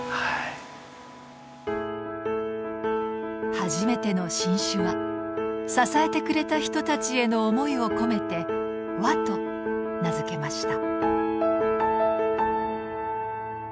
初めての新酒は支えてくれた人たちへの思いを込めて「わ」と名付けました。